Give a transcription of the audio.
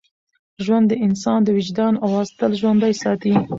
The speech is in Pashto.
ژوند د انسان د وجدان اواز تل ژوندی ساتي.